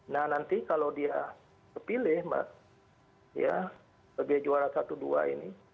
nah nanti kalau dia terpilih mbak ya sebagai juara satu dua ini